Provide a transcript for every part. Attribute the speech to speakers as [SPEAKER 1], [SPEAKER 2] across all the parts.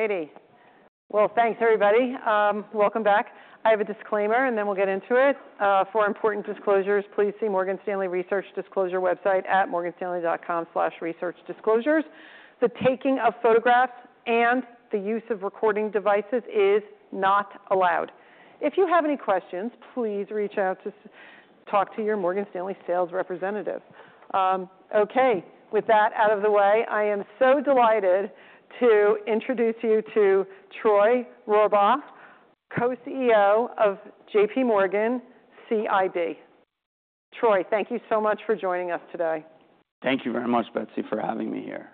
[SPEAKER 1] All righty. Well, thanks, everybody. Welcome back. I have a disclaimer, and then we'll get into it. For important disclosures, please see Morgan Stanley Research Disclosure website at morganstanley.com/researchdisclosures. The taking of photographs and the use of recording devices is not allowed. If you have any questions, please reach out to talk to your Morgan Stanley sales representative. Okay, with that out of the way, I am so delighted to introduce you to Troy Rohrbaugh, Co-CEO of JPMorgan CIB. Troy, thank you so much for joining us today.
[SPEAKER 2] Thank you very much, Betsy, for having me here.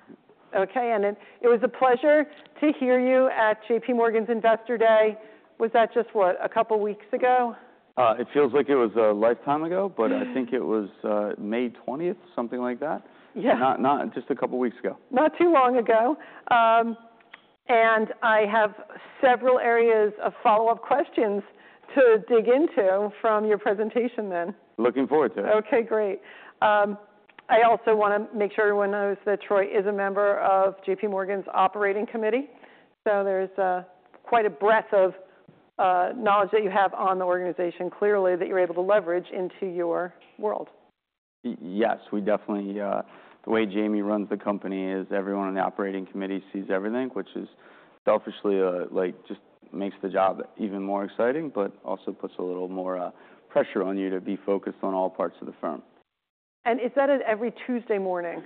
[SPEAKER 1] Okay, and it was a pleasure to hear you at JPMorgan's Investor Day. Was that just what? A couple weeks ago?
[SPEAKER 2] It feels like it was a lifetime ago, but I think it was May 20th, something like that.
[SPEAKER 1] Yeah.
[SPEAKER 2] Not just a couple weeks ago.
[SPEAKER 1] Not too long ago. I have several areas of follow-up questions to dig into from your presentation then.
[SPEAKER 2] Looking forward to it.
[SPEAKER 1] Okay, great. I also want to make sure everyone knows that Troy is a member of JPMorgan's Operating Committee, so there's quite a breadth of knowledge that you have on the organization, clearly, that you're able to leverage into your world.
[SPEAKER 2] Yes, we definitely. The way Jamie runs the company is everyone on the operating committee sees everything, which is selfishly, like, just makes the job even more exciting, but also puts a little more pressure on you to be focused on all parts of the firm.
[SPEAKER 1] Is that at every Tuesday morning?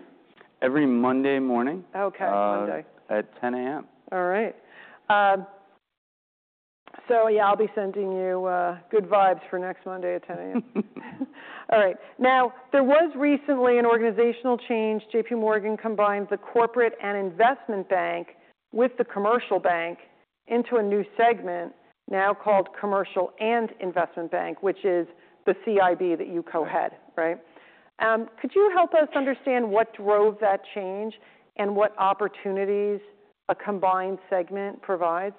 [SPEAKER 2] Every Monday morning.
[SPEAKER 1] Okay, Monday.
[SPEAKER 2] At 10:00 A.M.
[SPEAKER 1] All right. So yeah, I'll be sending you good vibes for next Monday at 10 A.M. All right. Now, there was recently an organizational change. JPMorgan combined the corporate and investment bank with the Commercial Bank into a new segment now called Commercial and Investment Bank, which is the CIB that you co-head, right? Could you help us understand what drove that change and what opportunities a combined segment provides?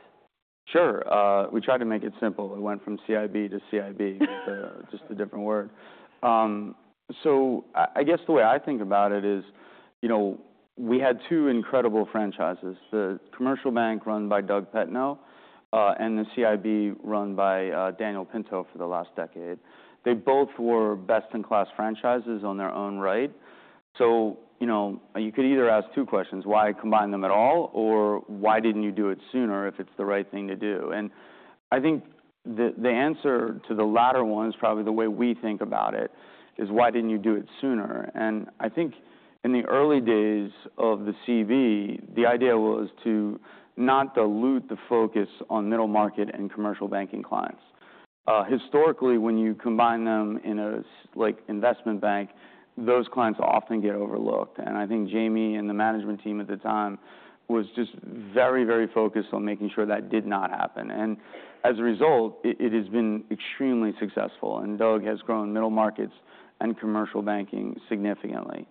[SPEAKER 2] Sure. We tried to make it simple. It went from CIB to CIB—just a different word. So I guess the way I think about it is, you know, we had two incredible franchises, the Commercial Bank run by Doug Petno, and the CIB run by Daniel Pinto for the last decade. They both were best-in-class franchises on their own right. So, you know, you could either ask two questions: Why combine them at all, or why didn't you do it sooner if it's the right thing to do? And I think the answer to the latter one is probably the way we think about it, is why didn't you do it sooner? And I think in the early days of the CIB, the idea was to not dilute the focus on middle market and Commercial Banking clients. Historically, when you combine them in a like investment bank, those clients often get overlooked, and I think Jamie and the management team at the time was just very, very focused on making sure that did not happen. And as a result, it has been extremely successful, and Doug has grown middle markets and Commercial Banking significantly.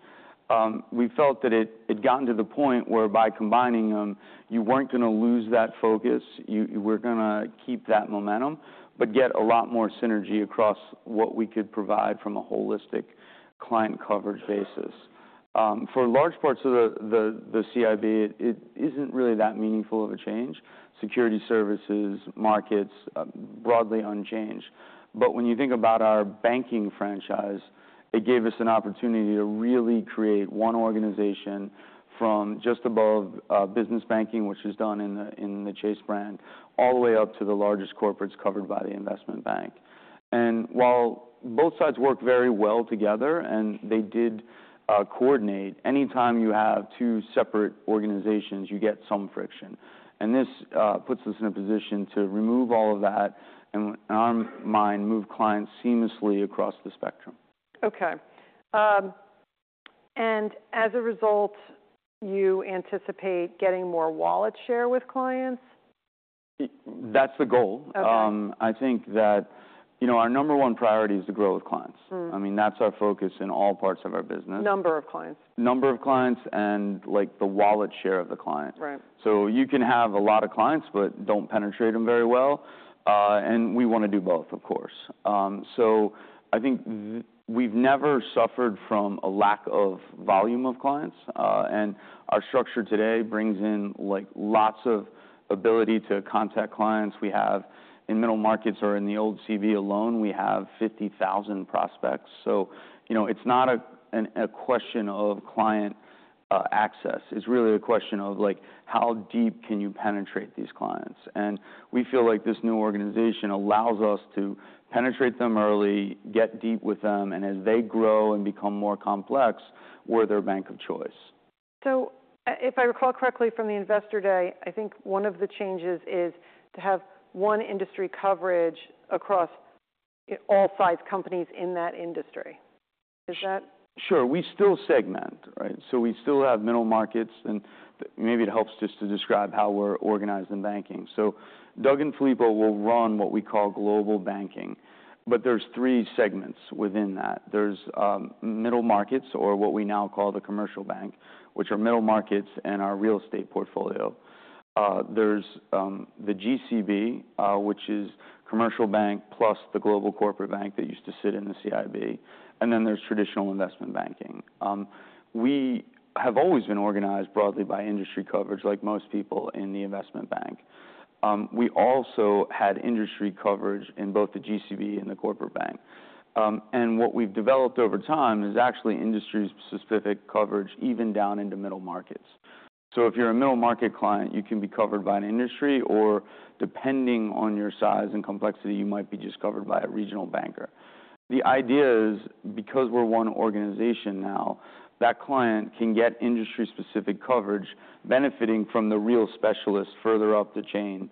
[SPEAKER 2] We felt that it had gotten to the point where by combining them, you weren't gonna lose that focus, you were gonna keep that momentum, but get a lot more synergy across what we could provide from a holistic client coverage basis. For large parts of the CIB, it isn't really that meaningful of a change. Securities services, markets, broadly unchanged. But when you think about our banking franchise, it gave us an opportunity to really create one organization from just above, Business Banking, which was done in the, in the Chase brand, all the way up to the largest corporates covered by the investment bank. While both sides worked very well together and they did coordinate, any time you have two separate organizations, you get some friction. This puts us in a position to remove all of that, and in our mind, move clients seamlessly across the spectrum.
[SPEAKER 1] Okay. As a result, you anticipate getting more wallet share with clients?
[SPEAKER 2] That's the goal.
[SPEAKER 1] Okay.
[SPEAKER 2] I think that, you know, our number one priority is to grow with clients.
[SPEAKER 1] Mm.
[SPEAKER 2] I mean, that's our focus in all parts of our business.
[SPEAKER 1] Number of clients?
[SPEAKER 2] Number of clients, and, like, the wallet share of the client.
[SPEAKER 1] Right.
[SPEAKER 2] So you can have a lot of clients, but don't penetrate them very well, and we wanna do both, of course. So I think we've never suffered from a lack of volume of clients, and our structure today brings in, like, lots of ability to contact clients. We have in Middle Markets or in the old CIB alone, we have 50,000 prospects. So, you know, it's not a question of client access. It's really a question of, like, how deep can you penetrate these clients? And we feel like this new organization allows us to penetrate them early, get deep with them, and as they grow and become more complex, we're their bank of choice.
[SPEAKER 1] So if I recall correctly from the Investor Day, I think one of the changes is to have one industry coverage across all five companies in that industry. Is that?
[SPEAKER 2] Sure, we still segment, right? So we still have middle markets, and maybe it helps just to describe how we're organized in banking. So Doug and Filippo will run what we call Global Banking, but there's three segments within that. There's middle markets, or what we now call the Commercial Bank, which are middle markets and our real estate portfolio. There's the GCB, which is Commercial Bank, plus the Global Corporate Bank that used to sit in the CIB, and then there's traditional investment banking. We have always been organized broadly by industry coverage, like most people in the investment bank. We also had industry coverage in both the GCB and the Corporate Bank. And what we've developed over time is actually industry-specific coverage, even down into middle markets. So if you're a middle-market client, you can be covered by an industry, or depending on your size and complexity, you might be just covered by a regional banker. The idea is, because we're one organization now, that client can get industry-specific coverage, benefiting from the real specialists further up the chain,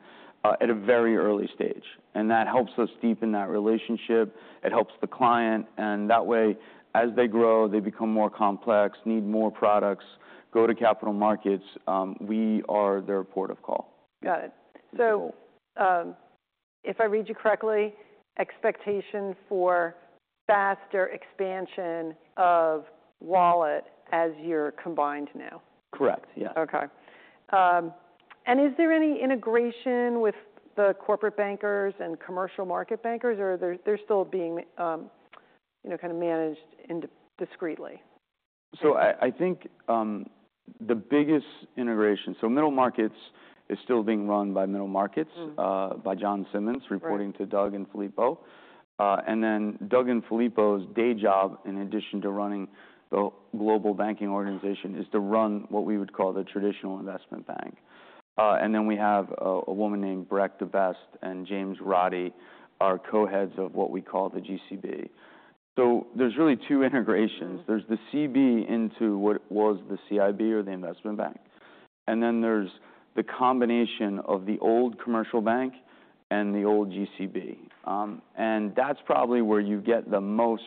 [SPEAKER 2] at a very early stage. That helps us deepen that relationship, it helps the client, and that way, as they grow, they become more complex, need more products, go to capital markets, we are their port of call.
[SPEAKER 1] Got it. So-If I read you correctly, expectation for faster expansion of wallet as you're combined now?
[SPEAKER 2] Correct. Yeah.
[SPEAKER 1] Okay. And is there any integration with the Corporate Bankers and commercial market bankers, or they're still being, you know, kind of managed discretely?
[SPEAKER 2] So I think, the biggest integration - so Middle Markets is still being run by Middle Markets -
[SPEAKER 1] Mm.
[SPEAKER 2] by John Simmons.
[SPEAKER 1] Right.
[SPEAKER 2] reporting to Doug and Filippo. And then Doug and Filippo's day job, in addition to running the Global Banking organization, is to run what we would call the traditional investment bank. And then we have a woman named Bregje De Best and James Roddy, are co-heads of what we call the GCB. So there's really two integrations.
[SPEAKER 1] Mm.
[SPEAKER 2] There's the CB into what was the CIB or the investment bank, and then there's the combination of the old Commercial Bank and the old GCB. And that's probably where you get the most,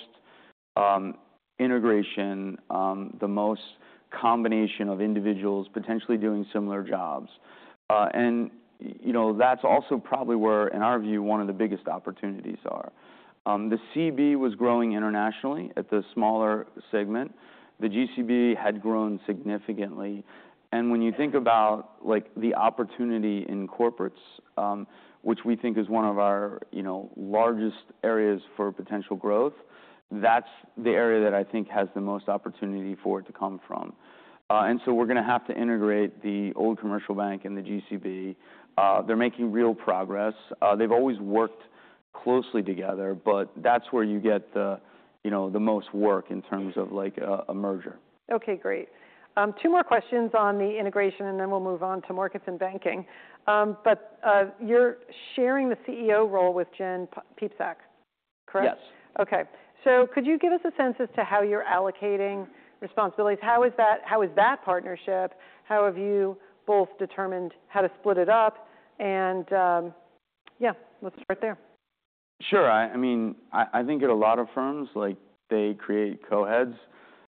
[SPEAKER 2] integration, the most combination of individuals potentially doing similar jobs. And, you know, that's also probably where, in our view, one of the biggest opportunities are. The CB was growing internationally at the smaller segment. The GCB had grown significantly. And when you think about, like, the opportunity in corporates, which we think is one of our, you know, largest areas for potential growth, that's the area that I think has the most opportunity for it to come from. And so we're gonna have to integrate the old Commercial Bank and the GCB. They're making real progress. They've always worked closely together, but that's where you get the, you know, the most work in terms of, like, a merger.
[SPEAKER 1] Okay, great. Two more questions on the integration, and then we'll move on to markets and banking. But you're sharing the CEO role with Jen Piepszak, correct?
[SPEAKER 2] Yes.
[SPEAKER 1] Okay. So could you give us a sense as to how you're allocating responsibilities? How is that partnership? How have you both determined how to split it up? And, yeah, let's start there.
[SPEAKER 2] Sure. I mean, I think in a lot of firms, like, they create co-heads,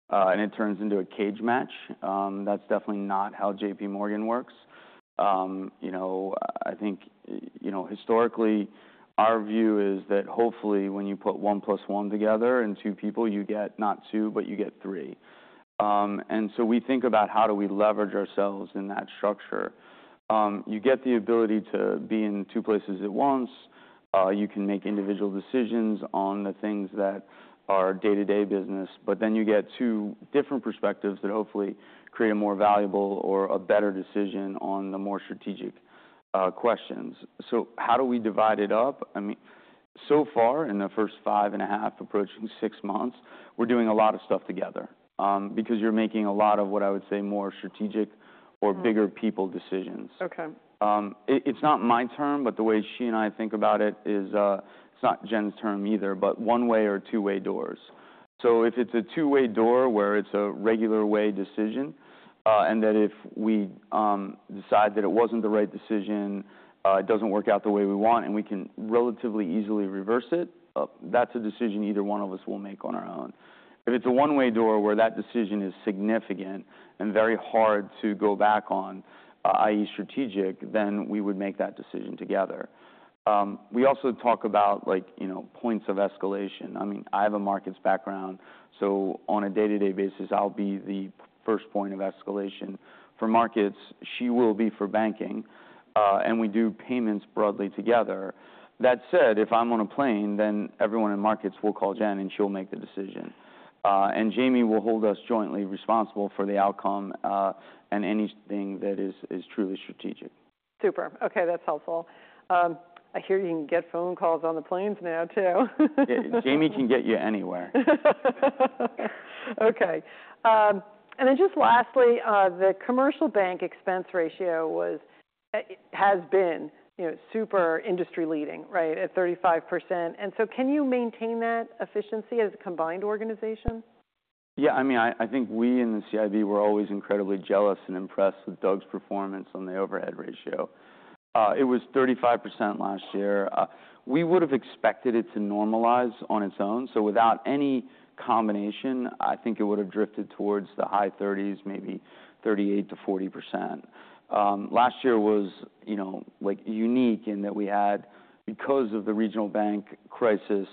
[SPEAKER 2] and it turns into a cage match. That's definitely not how JPMorgan works. You know, I think, you know, historically, our view is that hopefully, when you put one plus one together and two people, you get not two, but you get three. And so we think about how do we leverage ourselves in that structure? You get the ability to be in two places at once. You can make individual decisions on the things that are day-to-day business, but then you get two different perspectives that hopefully create a more valuable or a better decision on the more strategic questions. So how do we divide it up? I mean, so far, in the first five and a half, approaching six months, we're doing a lot of stuff together, because you're making a lot of, what I would say, more strategic-
[SPEAKER 1] Mm.
[SPEAKER 2] - or bigger people decisions.
[SPEAKER 1] Okay.
[SPEAKER 2] It's not my term, but the way she and I think about it is, it's not Jen's term either, but one-way or two-way doors. So if it's a two-way door, where it's a regular way decision, and that if we decide that it wasn't the right decision, it doesn't work out the way we want, and we can relatively easily reverse it, that's a decision either one of us will make on our own. If it's a one-way door, where that decision is significant and very hard to go back on, i.e., strategic, then we would make that decision together. We also talk about, like, you know, points of escalation. I mean, I have a markets background, so on a day-to-day basis, I'll be the first point of escalation for markets. She will be for banking, and we do payments broadly together. That said, if I'm on a plane, then everyone in markets will call Jen, and she'll make the decision. And Jamie will hold us jointly responsible for the outcome, and anything that is truly strategic.
[SPEAKER 1] Super. Okay, that's helpful. I hear you can get phone calls on the planes now, too.
[SPEAKER 2] Jamie can get you anywhere.
[SPEAKER 1] Okay. And then just lastly, the Commercial Bank expense ratio was, has been, you know, super industry leading, right at 35%. And so can you maintain that efficiency as a combined organization?
[SPEAKER 2] Yeah, I mean, I, I think we in the CIB were always incredibly jealous and impressed with Doug's performance on the overhead ratio. It was 35% last year. We would have expected it to normalize on its own, so without any combination, I think it would have drifted towards the high thirties, maybe 38%-40%. Last year was, you know, like, unique in that we had, because of the regional bank crisis,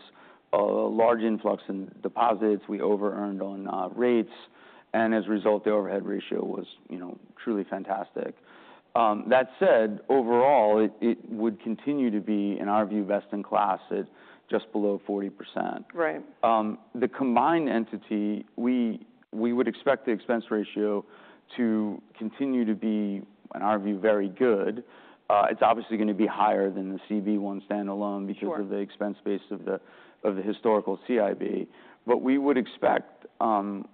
[SPEAKER 2] a large influx in deposits. We over earned on rates, and as a result, the overhead ratio was, you know, truly fantastic. That said, overall, it, it would continue to be, in our view, best in class at just below 40%.
[SPEAKER 1] Right.
[SPEAKER 2] The combined entity, we would expect the expense ratio to continue to be, in our view, very good. It's obviously going to be higher than the CIB one standalone.
[SPEAKER 1] Sure.
[SPEAKER 2] Because of the expense base of the historical CIB. But we would expect, you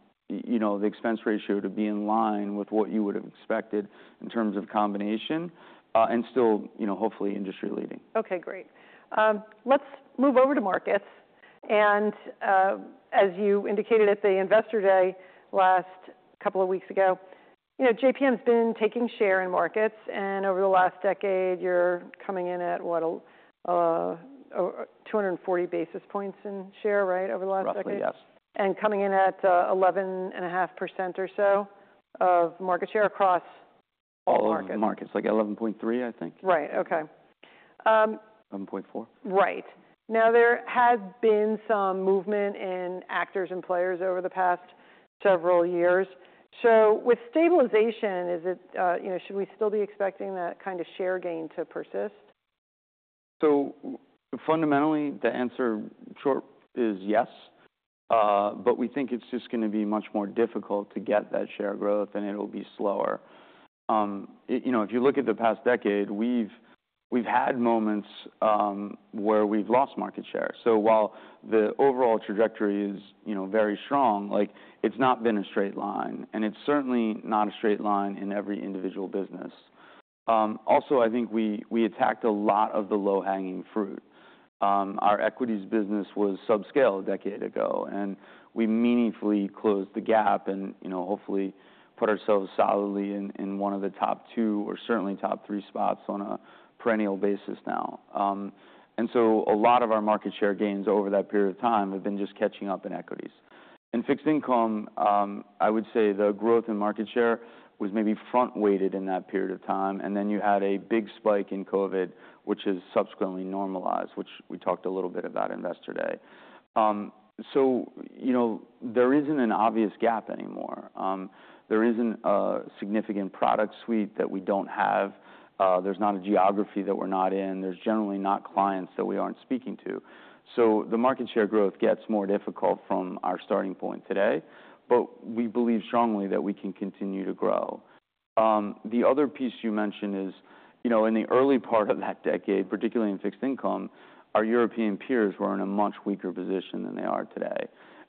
[SPEAKER 2] know, the expense ratio to be in line with what you would have expected in terms of combination, and still, you know, hopefully industry-leading.
[SPEAKER 1] Okay, great. Let's move over to markets. And, as you indicated at the Investor Day last couple of weeks ago, you know, JPM's been taking share in markets, and over the last decade, you're coming in at, what, a, 240 basis points in share, right, over the last decade?
[SPEAKER 2] Roughly, yes.
[SPEAKER 1] Coming in at 11.5% or so of market share across all markets.
[SPEAKER 2] Markets, like 11.3%, I think.
[SPEAKER 1] Right. Okay.
[SPEAKER 2] 11.4%?
[SPEAKER 1] Right. Now, there has been some movement in actors and players over the past several years. So with stabilization, is it, you know, should we still be expecting that kind of share gain to persist?
[SPEAKER 2] So fundamentally, the answer, short, is yes. But we think it's just going to be much more difficult to get that share growth, and it'll be slower. You know, if you look at the past decade, we've, we've had moments, where we've lost market share. So while the overall trajectory is, you know, very strong, like, it's not been a straight line, and it's certainly not a straight line in every individual business. Also, I think we, we attacked a lot of the low-hanging fruit. Our equities business was subscale a decade ago, and we meaningfully closed the gap and, you know, hopefully put ourselves solidly in, in one of the top two, or certainly top three spots on a perennial basis now. And so a lot of our market share gains over that period of time have been just catching up in equities. In fixed income, I would say the growth in market share was maybe front-weighted in that period of time, and then you had a big spike in COVID, which has subsequently normalized, which we talked a little bit about at Investor Day. So, you know, there isn't an obvious gap anymore. There isn't a significant product suite that we don't have. There's not a geography that we're not in. There's generally not clients that we aren't speaking to. So the market share growth gets more difficult from our starting point today, but we believe strongly that we can continue to grow. The other piece you mentioned is, you know, in the early part of that decade, particularly in fixed income, our European peers were in a much weaker position than they are today.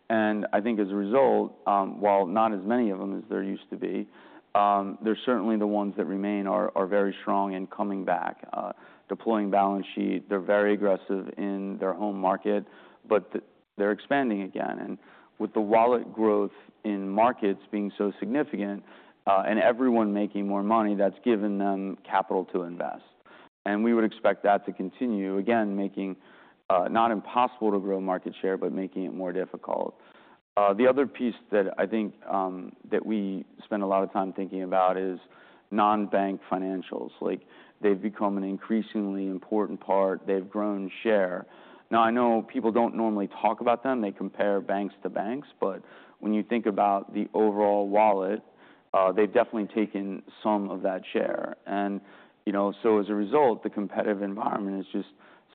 [SPEAKER 2] And I think as a result, while not as many of them as there used to be, they're certainly the ones that remain are very strong in coming back. Deploying balance sheet, they're very aggressive in their home market, but they're expanding again. And with the wallet growth in markets being so significant, and everyone making more money, that's given them capital to invest. And we would expect that to continue, again, making not impossible to grow market share, but making it more difficult. The other piece that I think that we spend a lot of time thinking about is non-bank financials. Like, they've become an increasingly important part. They've grown share. Now, I know people don't normally talk about them. They compare banks to banks, but when you think about the overall wallet, they've definitely taken some of that share. And, you know, so as a result, the competitive environment is just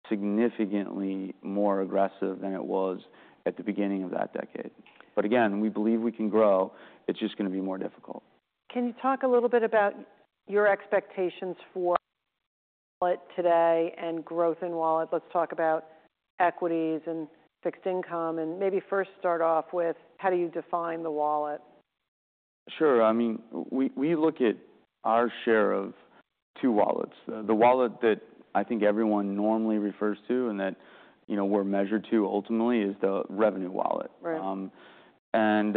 [SPEAKER 2] significantly more aggressive than it was at the beginning of that decade. But again, we believe we can grow. It's just going to be more difficult.
[SPEAKER 1] Can you talk a little bit about your expectations for wallet today and growth in wallet? Let's talk about equities and fixed income, and maybe first start off with, how do you define the wallet?
[SPEAKER 2] Sure. I mean, we look at our share of two wallets.
[SPEAKER 1] Right.
[SPEAKER 2] The wallet that I think everyone normally refers to, and that, you know, we're measured to ultimately, is the revenue wallet.
[SPEAKER 1] Right.
[SPEAKER 2] And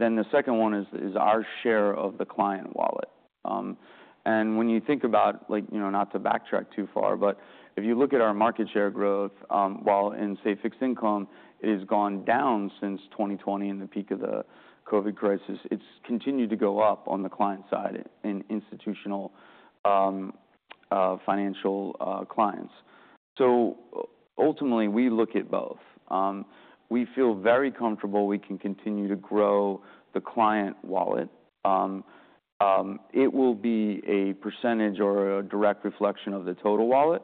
[SPEAKER 2] then the second one is our share of the client wallet. And when you think about like, you know, not to backtrack too far, but if you look at our market share growth, while in, say, fixed income, it has gone down since 2020 and the peak of the COVID crisis, it's continued to go up on the client side in institutional financial clients. So ultimately, we look at both. We feel very comfortable we can continue to grow the client wallet. It will be a percentage or a direct reflection of the total wallet,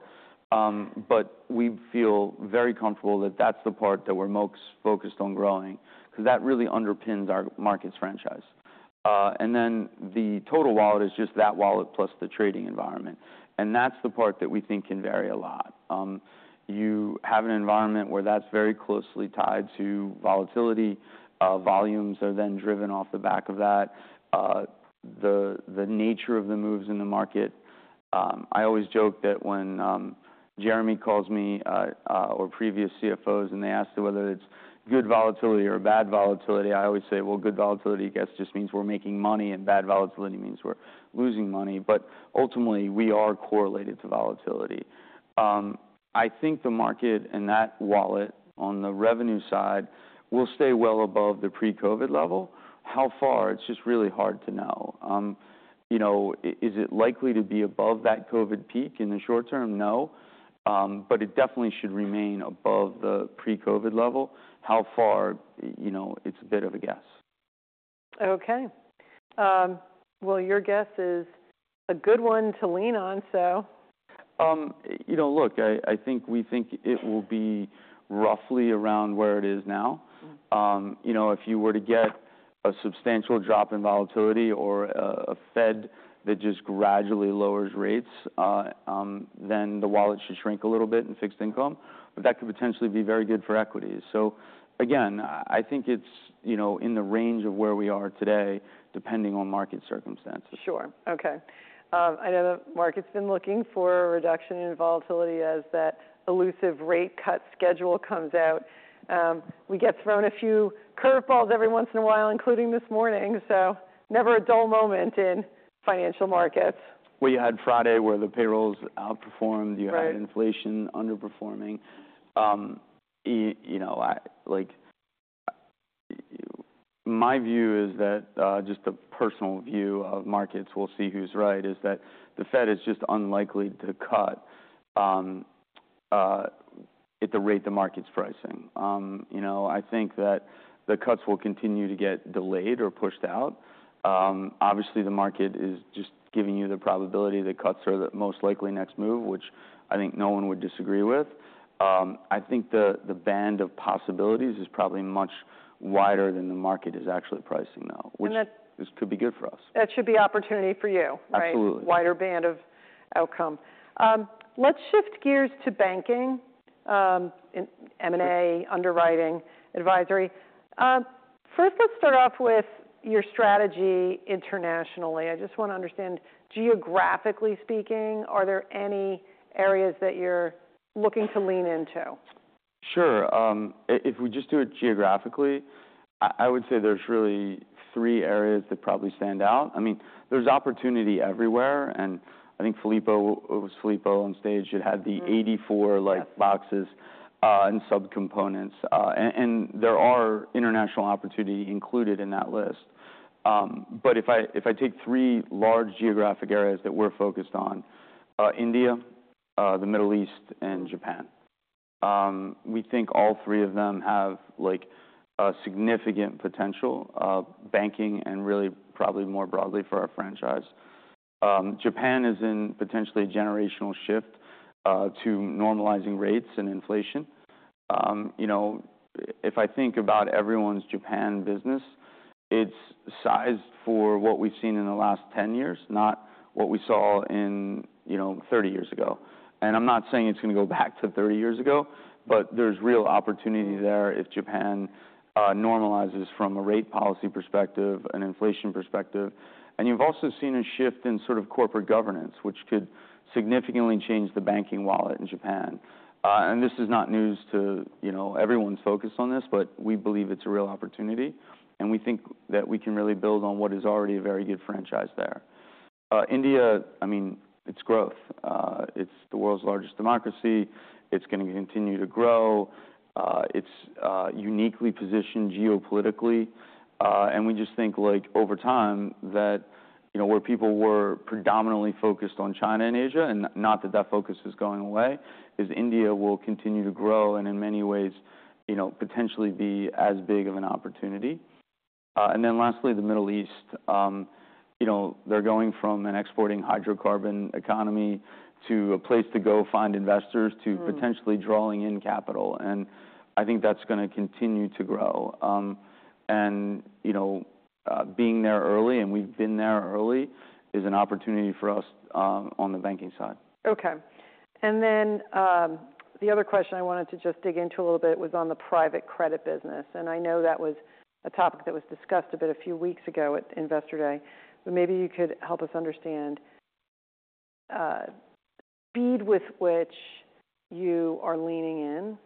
[SPEAKER 2] but we feel very comfortable that that's the part that we're most focused on growing, because that really underpins our markets franchise. And then the total wallet is just that wallet plus the trading environment, and that's the part that we think can vary a lot. You have an environment where that's very closely tied to volatility. Volumes are then driven off the back of that, the nature of the moves in the market. I always joke that when Jeremy calls me, or previous CFOs, and they ask me whether it's good volatility or bad volatility, I always say, "Well, good volatility, I guess, just means we're making money, and bad volatility means we're losing money." But ultimately, we are correlated to volatility. I think the market in that wallet, on the revenue side, will stay well above the pre-COVID level. How far? It's just really hard to know. You know, is it likely to be above that COVID peak in the short term? No. But it definitely should remain above the pre-COVID level. How far? You know, it's a bit of a guess.
[SPEAKER 1] Okay. Well, your guess is a good one to lean on, so-...
[SPEAKER 2] You know, look, I, I think we think it will be roughly around where it is now. You know, if you were to get a substantial drop in volatility or a, a Fed that just gradually lowers rates, then the wallet should shrink a little bit in fixed income, but that could potentially be very good for equities. So again, I think it's, you know, in the range of where we are today, depending on market circumstances.
[SPEAKER 1] Sure. Okay. I know the market's been looking for a reduction in volatility as that elusive rate cut schedule comes out. We get thrown a few curveballs every once in a while, including this morning, so never a dull moment in financial markets.
[SPEAKER 2] Well, you had Friday, where the payrolls outperformed.
[SPEAKER 1] Right.
[SPEAKER 2] You had inflation underperforming. You know, like, my view is that, just a personal view of markets, we'll see who's right, is that the Fed is just unlikely to cut, at the rate the market's pricing. You know, I think that the cuts will continue to get delayed or pushed out. Obviously, the market is just giving you the probability that cuts are the most likely next move, which I think no one would disagree with. I think the band of possibilities is probably much wider than the market is actually pricing now.
[SPEAKER 1] And that-
[SPEAKER 2] which this could be good for us.
[SPEAKER 1] That should be opportunity for you, right?
[SPEAKER 2] Absolutely.
[SPEAKER 1] Wider band of outcome. Let's shift gears to banking, and M&A, underwriting, advisory. First, let's start off with your strategy internationally. I just want to understand, geographically speaking, are there any areas that you're looking to lean into?
[SPEAKER 2] Sure. If we just do it geographically, I would say there's really three areas that probably stand out. I mean, there's opportunity everywhere, and I think Filippo, it was Filippo on stage, that had the 84, like, boxes, and subcomponents, and there are international opportunity included in that list. But if I take three large geographic areas that we're focused on, India, the Middle East, and Japan. We think all three of them have, like, a significant potential of banking and really probably more broadly for our franchise. Japan is in potentially a generational shift to normalizing rates and inflation. You know, if I think about everyone's Japan business, it's sized for what we've seen in the last 10 years, not what we saw in 30 years ago. I'm not saying it's going to go back to 30 years ago, but there's real opportunity there if Japan normalizes from a rate policy perspective and inflation perspective. You've also seen a shift in sort of corporate governance, which could significantly change the banking wallet in Japan. This is not news to... You know, everyone's focused on this, but we believe it's a real opportunity, and we think that we can really build on what is already a very good franchise there. India, I mean, it's growth. It's the world's largest democracy. It's going to continue to grow. It's uniquely positioned geopolitically. and we just think, like, over time, that, you know, where people were predominantly focused on China and Asia, and not that that focus is going away, is India will continue to grow and in many ways, you know, potentially be as big of an opportunity. And then lastly, the Middle East. You know, they're going from an exporting hydrocarbon economy to a place to go find investors-
[SPEAKER 1] Mm.
[SPEAKER 2] to potentially drawing in capital, and I think that's gonna continue to grow. You know, being there early, and we've been there early, is an opportunity for us on the banking side.
[SPEAKER 1] Okay. And then, the other question I wanted to just dig into a little bit was on the private credit business, and I know that was a topic that was discussed a bit a few weeks ago at Investor Day. But maybe you could help us understand, the speed with which you are leaning in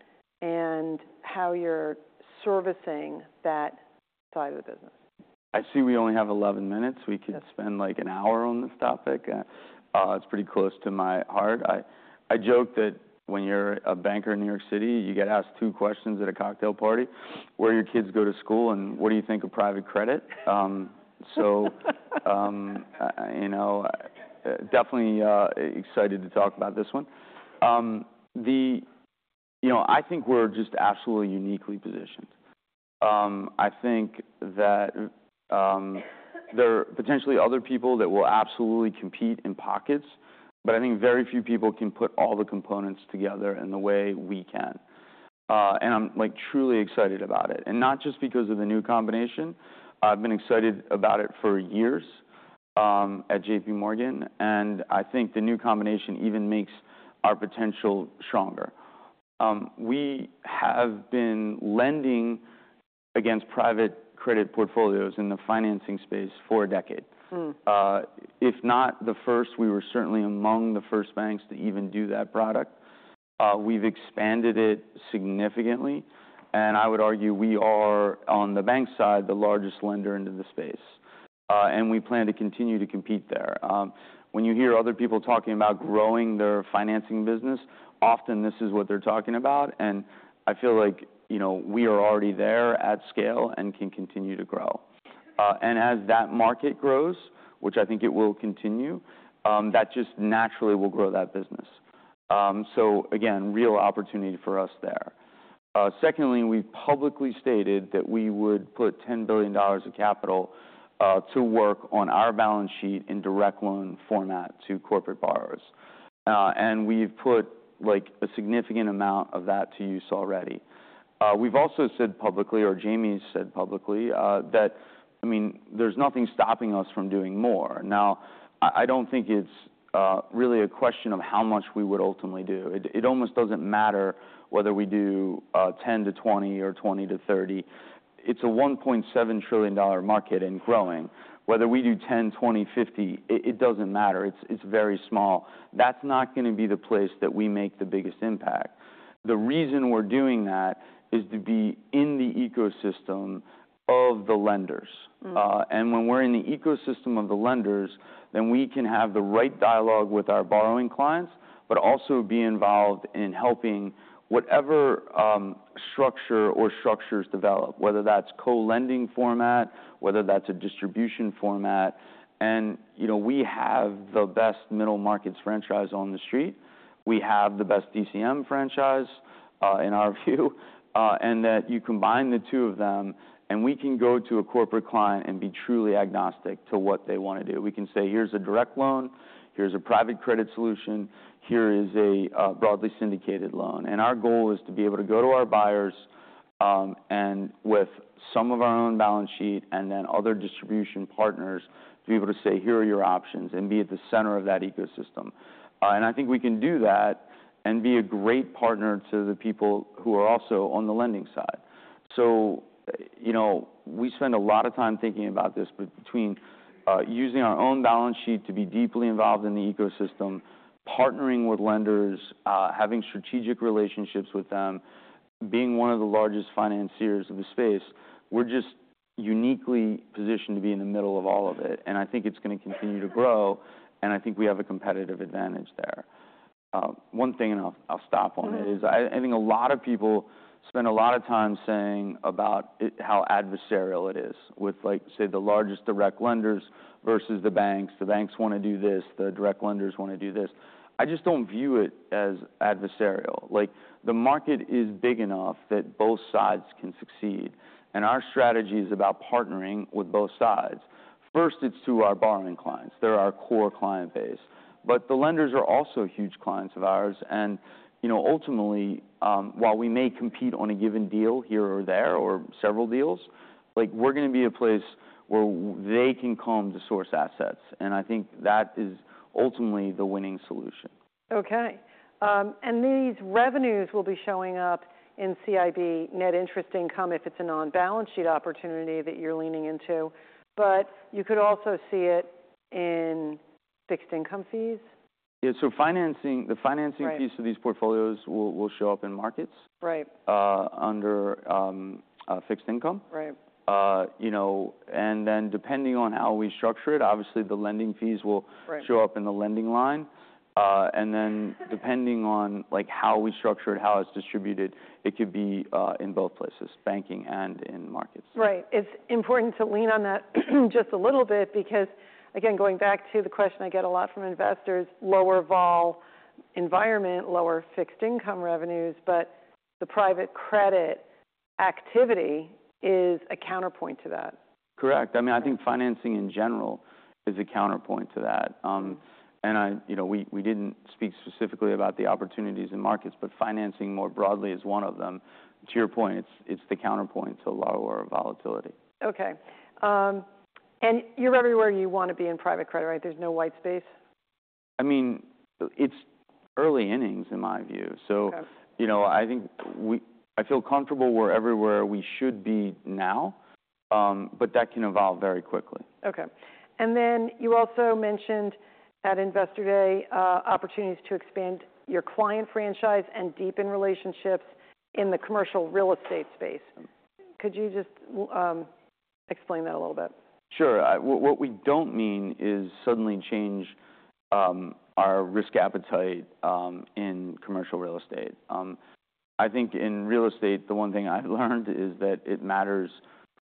[SPEAKER 1] and how you're servicing that side of the business.
[SPEAKER 2] I see we only have 11 minutes. We could spend, like, an hour on this topic. It's pretty close to my heart. I joke that when you're a banker in New York City, you get asked two questions at a cocktail party: "Where your kids go to school, and what do you think of private credit?" You know, definitely excited to talk about this one. You know, I think we're just absolutely uniquely positioned. I think that there are potentially other people that will absolutely compete in pockets, but I think very few people can put all the components together in the way we can. And I'm, like, truly excited about it, and not just because of the new combination. I've been excited about it for years, at JPMorgan, and I think the new combination even makes our potential stronger. We have been lending against private credit portfolios in the financing space for a decade.
[SPEAKER 1] Mm.
[SPEAKER 2] If not the first, we were certainly among the first banks to even do that product. We've expanded it significantly, and I would argue we are, on the bank side, the largest lender into the space, and we plan to continue to compete there. When you hear other people talking about growing their financing business, often this is what they're talking about, and I feel like, you know, we are already there at scale and can continue to grow. And as that market grows, which I think it will continue, that just naturally will grow that business. So again, real opportunity for us there. Secondly, we've publicly stated that we would put $10 billion of capital to work on our balance sheet in direct loan format to corporate borrowers. And we've put, like, a significant amount of that to use already. We've also said publicly, or Jamie's said publicly, that, I mean, there's nothing stopping us from doing more. Now, I don't think it's really a question of how much we would ultimately do. It almost doesn't matter whether we do 10-20 or 20-30. It's a $1.7 trillion market and growing. Whether we do 10, 20, 50, it doesn't matter. It's very small. That's not gonna be the place that we make the biggest impact. The reason we're doing that is to be in the ecosystem of the lenders.
[SPEAKER 1] Mm.
[SPEAKER 2] when we're in the ecosystem of the lenders, then we can have the right dialogue with our borrowing clients, but also be involved in helping whatever, structure or structures develop, whether that's co-lending format, whether that's a distribution format. And, you know, we have the best middle markets franchise on the street. We have the best DCM franchise, in our view. and that you combine the two of them, and we can go to a corporate client and be truly agnostic to what they wanna do. We can say, "Here's a direct loan, here's a private credit solution, here is a broadly syndicated loan." And our goal is to be able to go to our buyers, and with some of our own balance sheet, and then other distribution partners, to be able to say, "Here are your options," and be at the center of that ecosystem. And I think we can do that and be a great partner to the people who are also on the lending side. So, you know, we spend a lot of time thinking about this, but between, using our own balance sheet to be deeply involved in the ecosystem, partnering with lenders, having strategic relationships with them, being one of the largest financiers in the space, we're just uniquely positioned to be in the middle of all of it, and I think it's gonna continue to grow, and I think we have a competitive advantage there. One thing, and I'll stop on it-
[SPEAKER 1] Mm-hmm...
[SPEAKER 2] is I, I think a lot of people spend a lot of time saying about it, how adversarial it is, with like, say, the largest direct lenders versus the banks. The banks wanna do this, the direct lenders wanna do this. I just don't view it as adversarial. Like, the market is big enough that both sides can succeed, and our strategy is about partnering with both sides. First, it's through our borrowing clients. They're our core client base. But the lenders are also huge clients of ours and, you know, ultimately, while we may compete on a given deal here or there, or several deals, like, we're gonna be a place where they can come to source assets, and I think that is ultimately the winning solution.
[SPEAKER 1] Okay. These revenues will be showing up in CIB Net Interest Income if it's a non-balance sheet opportunity that you're leaning into, but you could also see it in fixed income fees?
[SPEAKER 2] Yeah, so financing—
[SPEAKER 1] Right...
[SPEAKER 2] piece of these portfolios will show up in markets-
[SPEAKER 1] Right...
[SPEAKER 2] under fixed income.
[SPEAKER 1] Right.
[SPEAKER 2] You know, depending on how we structure it, obviously the lending fees will-
[SPEAKER 1] Right...
[SPEAKER 2] show up in the lending line. And then depending on, like, how we structure it, how it's distributed, it could be in both places, banking and in markets.
[SPEAKER 1] Right. It's important to lean on that, just a little bit because, again, going back to the question I get a lot from investors, lower vol environment, lower fixed income revenues, but the private credit activity is a counterpoint to that.
[SPEAKER 2] Correct. I mean, I think financing in general is a counterpoint to that. You know, we didn't speak specifically about the opportunities in markets, but financing more broadly is one of them. To your point, it's the counterpoint to lower volatility.
[SPEAKER 1] Okay. You're everywhere you wanna be in private credit, right? There's no white space?
[SPEAKER 2] I mean, it's early innings, in my view.
[SPEAKER 1] Okay.
[SPEAKER 2] So, you know, I think I feel comfortable we're everywhere we should be now, but that can evolve very quickly.
[SPEAKER 1] Okay. And then you also mentioned at Investor Day, opportunities to expand your client franchise and deepen relationships in the commercial real estate space. Could you just explain that a little bit?
[SPEAKER 2] Sure. What we don't mean is suddenly change our risk appetite in commercial real estate. I think in real estate, the one thing I've learned is that it matters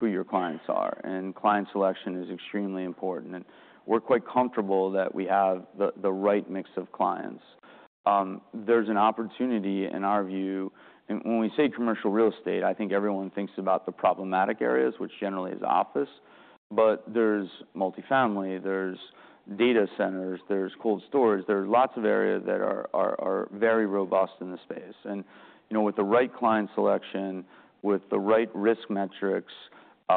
[SPEAKER 2] who your clients are, and client selection is extremely important, and we're quite comfortable that we have the right mix of clients. There's an opportunity, in our view, and when we say commercial real estate, I think everyone thinks about the problematic areas, which generally is office, but there's multifamily, there's data centers, there's cold storage. There are lots of areas that are very robust in the space. And, you know, with the right client selection, with the right risk metrics,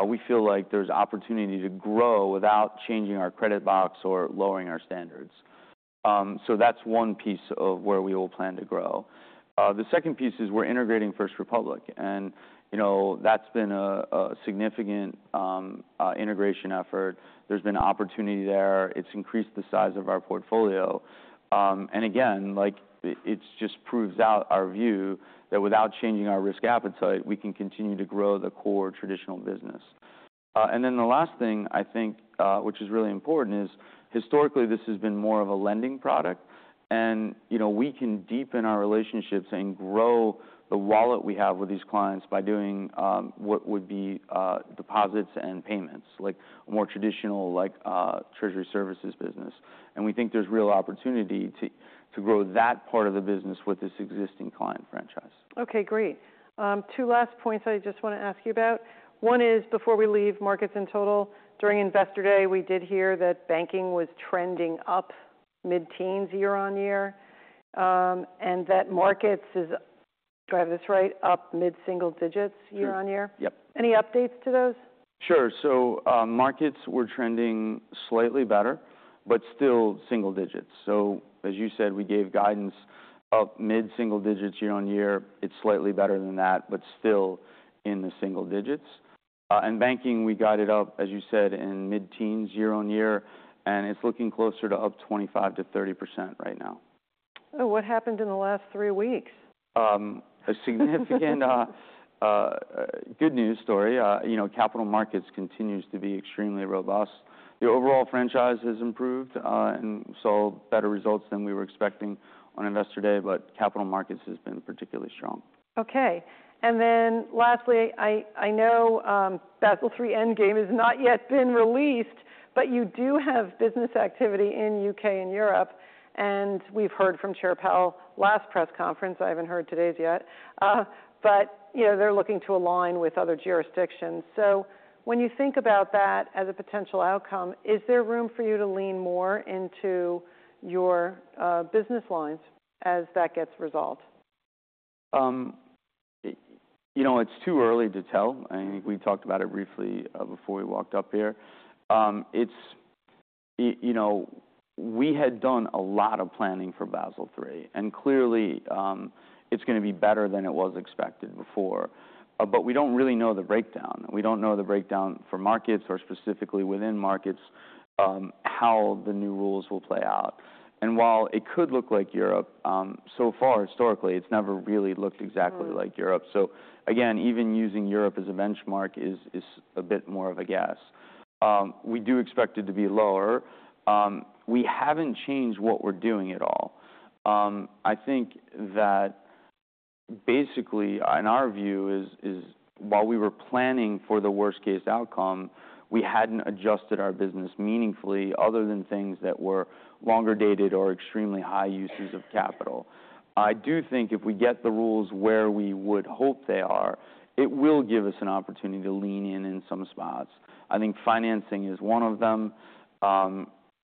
[SPEAKER 2] we feel like there's opportunity to grow without changing our credit box or lowering our standards. So that's one piece of where we will plan to grow. The second piece is we're integrating First Republic, and, you know, that's been a significant integration effort. There's been opportunity there. It's increased the size of our portfolio. Again, like, it just proves out our view, that without changing our risk appetite, we can continue to grow the core traditional business. Then the last thing, I think, which is really important, is historically, this has been more of a lending product. You know, we can deepen our relationships and grow the wallet we have with these clients by doing what would be deposits and payments, like more traditional, like, treasury services business. We think there's real opportunity to grow that part of the business with this existing client franchise.
[SPEAKER 1] Okay, great. Two last points I just wanna ask you about. One is, before we leave markets in total, during Investor Day, we did hear that banking was trending up mid-teens year-on-year, and that markets is-... Do I have this right, up mid-single digits year-on-year?
[SPEAKER 2] Yep.
[SPEAKER 1] Any updates to those?
[SPEAKER 2] Sure. So, markets were trending slightly better, but still single digits. So as you said, we gave guidance up mid-single digits year-on-year. It's slightly better than that, but still in the single digits. In banking, we got it up, as you said, in mid-teens year-on-year, and it's looking closer to up 25%-30% right now.
[SPEAKER 1] Oh, what happened in the last three weeks?
[SPEAKER 2] A significant good news story. You know, capital markets continues to be extremely robust. The overall franchise has improved, and so better results than we were expecting on Investor Day, but capital markets has been particularly strong.
[SPEAKER 1] Okay. Then lastly, I know, Basel III Endgame has not yet been released, but you do have business activity in U.K. and Europe, and we've heard from Chair Powell last press conference, I haven't heard today's yet, but you know, they're looking to align with other jurisdictions. So when you think about that as a potential outcome, is there room for you to lean more into your business lines as that gets resolved?
[SPEAKER 2] You know, it's too early to tell, and we talked about it briefly before we walked up here. It's, you know, we had done a lot of planning for Basel III, and clearly, it's gonna be better than it was expected before. But we don't really know the breakdown. We don't know the breakdown for markets or specifically within markets, how the new rules will play out. And while it could look like Europe, so far, historically, it's never really looked exactly like Europe. So again, even using Europe as a benchmark is a bit more of a guess. We do expect it to be lower. We haven't changed what we're doing at all. I think that basically, and our view is, is while we were planning for the worst-case outcome, we hadn't adjusted our business meaningfully, other than things that were longer dated or extremely high uses of capital. I do think if we get the rules where we would hope they are, it will give us an opportunity to lean in in some spots. I think financing is one of them.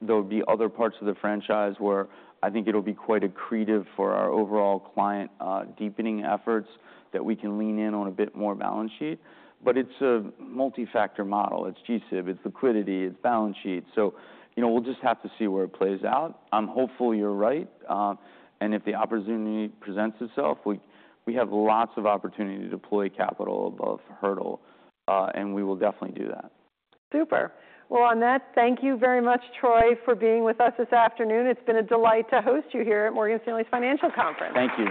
[SPEAKER 2] There'll be other parts of the franchise where I think it'll be quite accretive for our overall client deepening efforts, that we can lean in on a bit more balance sheet. But it's a multi-factor model. It's G-SIB, it's liquidity, it's balance sheet, so you know, we'll just have to see where it plays out. I'm hopeful you're right. If the opportunity presents itself, we have lots of opportunity to deploy capital above hurdle, and we will definitely do that.
[SPEAKER 1] Super. Well, on that, thank you very much, Troy, for being with us this afternoon. It's been a delight to host you here at Morgan Stanley's Financial Conference.
[SPEAKER 2] Thank you.